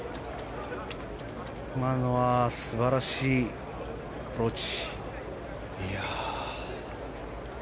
今のは素晴らしいアプローチ。